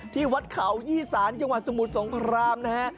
ที่วัดเขายี่สารจังหวัดสมุทรสงครามนะฮะ